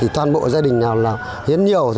toàn bộ gia đình hiến nhiều